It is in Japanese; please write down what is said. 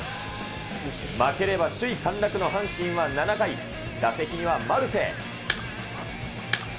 負ければ首位陥落の阪神は７回、打席にはマルテ。